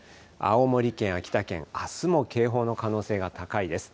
青森県、秋田県、あすも警報の可能性が高いです。